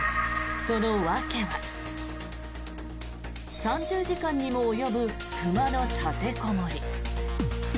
その訳は３０時間にも及ぶ熊の立てこもり。